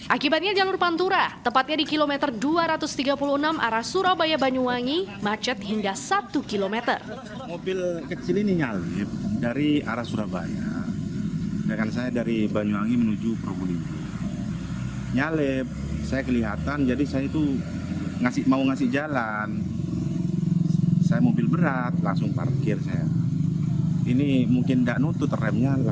akibatnya jalur pantura tepatnya di kilometer dua ratus tiga puluh enam arah surabaya banyuwangi macet hingga satu kilometer